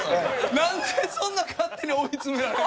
なんでそんな勝手に追い詰められるの？